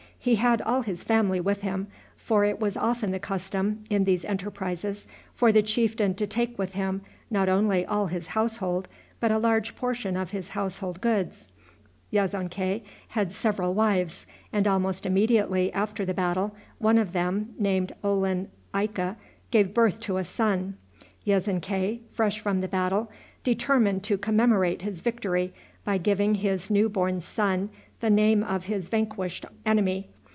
He had all his family with him, for it was often the custom, in these enterprises, for the chieftain to take with him not only all his household, but a large portion of his household goods. Yezonkai had several wives, and almost immediately after the battle, one of them, named Olan Ayka, gave birth to a son. Yezonkai, fresh from the battle, determined to commemorate his victory by giving his new born son the name of his vanquished enemy.